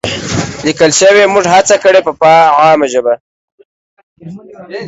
لیکل شوې، موږ هڅه کړې په عامه ژبه